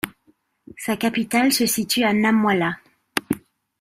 Sa capitale se situe à Namwala.